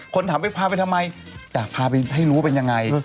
คนถามว่าพาไปทำไมอยากพาไปให้รู้ว่าเป็นยังไง